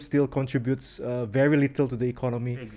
sedikit kontribusi kepada ekonomi